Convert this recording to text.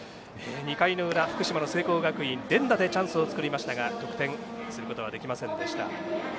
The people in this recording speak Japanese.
２回の裏、福島の聖光学院連打でチャンスを作りましたが得点することができませんでした。